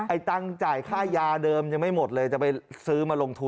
ตังค์จ่ายค่ายาเดิมยังไม่หมดเลยจะไปซื้อมาลงทุน